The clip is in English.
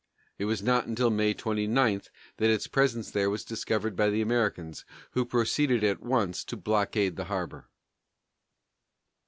It was not until May 29 that its presence there was discovered by the Americans, who proceeded at once to blockade the harbor.